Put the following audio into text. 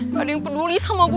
gak ada yang peduli sama gue